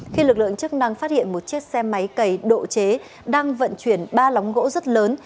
khi lực lượng chức năng phát hiện một chiếc xe máy cầy độ chế đang vận chuyển ba lóng gỗ rất lớn